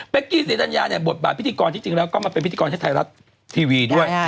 กี้ศรีดัญญาเนี่ยบทบาทพิธีกรที่จริงแล้วก็มาเป็นพิธีกรที่ไทยรัฐทีวีด้วย